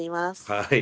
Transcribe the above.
はい。